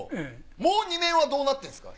もう２面はどうなってるんですか？